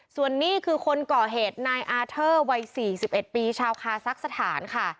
ส่วนนี้คือคนก่อเหตุนายอาเทอร์วัย๔๑ปีชาวคาซักสถานค่ะ